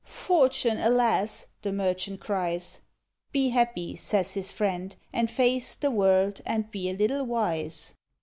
"Fortune, alas!" the merchant cries. "Be happy," says his Friend, "and face The world, and be a little wise."